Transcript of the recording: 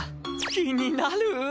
気になる？